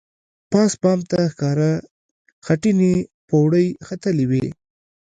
پاس بام ته ښکاره خټینې پوړۍ ختلې وې.